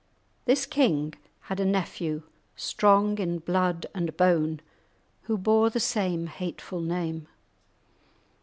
This king had a nephew, strong in blood and bone, who bore the same hateful name.